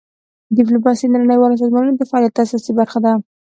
ډیپلوماسي د نړیوالو سازمانونو د فعالیت اساسي برخه ده.